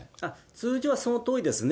通常はそのとおりですね。